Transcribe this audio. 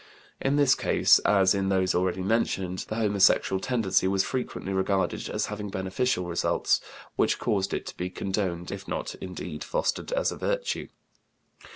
In this case, as in those already mentioned, the homosexual tendency was frequently regarded as having beneficial results, which caused it to be condoned, if not, indeed, fostered as a virtue.